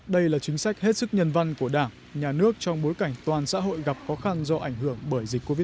đây là chính sách hết sức nhân văn của đảng nhà nước trong bối cảnh toàn xã hội gặp khó khăn do ảnh hưởng bởi dịch covid một mươi chín